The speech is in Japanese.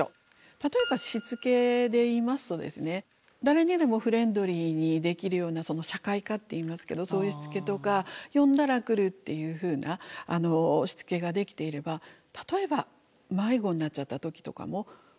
例えばしつけで言いますと誰にでもフレンドリーにできるような社会化って言いますけどそういうしつけとか呼んだら来るっていうふうなしつけができていれば例えば迷子になっちゃった時とかも保護しやすいんですね。